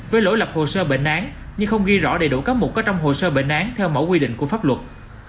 với lỗi lập hồ sơ bệnh án nhưng không ghi rõ đầy đủ các mục có trong hồ sơ bệnh án theo mẫu quy định của pháp luật